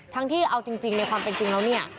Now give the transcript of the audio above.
ที่เอาจริงในความเป็นจริงแล้วเนี่ย